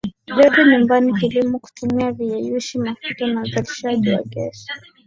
joto nyumbani kilimo kutumia viyeyushi mafuta na uzalishaji wa ges